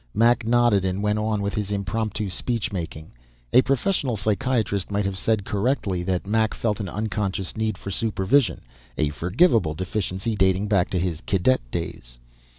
Mac nodded and went on with his impromptu speechmaking; a professional psychiatrist might have said, correctly, that Mac felt an unconscious need for supervision, a forgivable deficiency dating back to his cadet days.